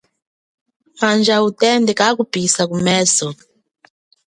Maji amakali kakupihisa kumeso.